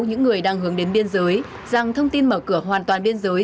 những người đang hướng đến biên giới rằng thông tin mở cửa hoàn toàn biên giới